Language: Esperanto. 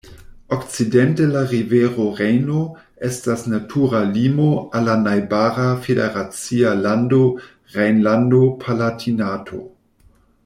Okcidente la rivero Rejno estas natura limo al la najbara federacia lando Rejnlando-Palatinato.